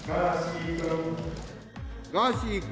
ガーシー君。